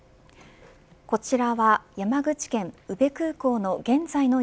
こちらは山口県宇部空港の